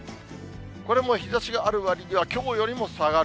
これも日ざしがあるわりにはきょうよりも下がる。